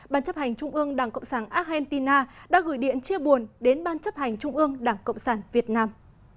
ban chấp hành trung ương đảng cộng sản argentina đã gửi điện chia buồn đến ban chấp hành trung ương đảng cộng sản việt nam